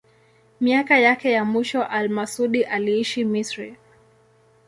Miaka yake ya mwisho al-Masudi aliishi Misri.